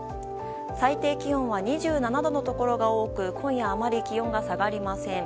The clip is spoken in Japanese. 最低気温は２７度のところが多く今夜、あまり気温が下がりません。